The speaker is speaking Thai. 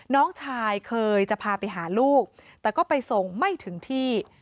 น้องชายเคยจะพาไปหาลูกแต่ก็ไปส่งไม่ถึงที่